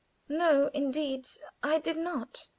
"No, indeed I did not."